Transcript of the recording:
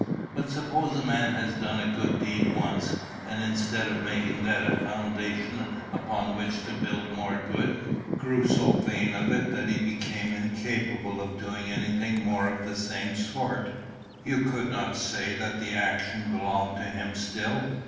But suppose a man had done a good deed once, and instead of making that a foundation upon which to build more good, grew so vain of it that he became incapable of doing anything more of the same sort, you could not say that the action belonged to him still.